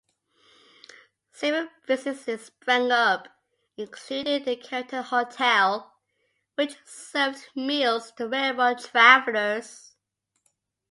Several businesses sprang up, including the Carrington Hotel, which served meals to railroad travelers.